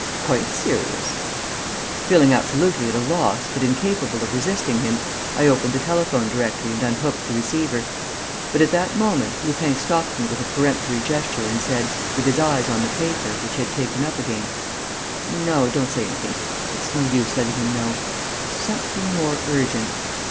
"Quite serious." Feeling absolutely at a loss, but incapable of resisting him, I opened the telephone directory and unhooked the receiver. But, at that moment, Lupin stopped me with a peremptory gesture and said, with his eyes on the paper, which he had taken up again: "No, don't say anything.... It's no use letting him know.... There's something more urgent